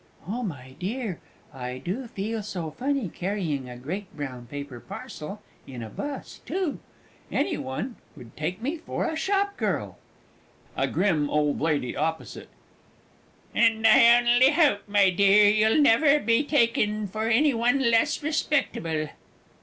Oh, my dear, I do feel so funny, carrying a great brown paper parcel, in a bus, too! Any one would take me for a shop girl! [Illustration: "GO 'OME, DIRTY DICK!"] A GRIM OLD LADY OPPOSITE. And I only hope, my dear, you'll never be taken for any one less respectable.